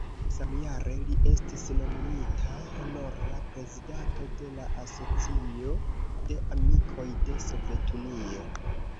Samjare li estis nomumita honora prezidanto de la Asocio de Amikoj de Sovetunio.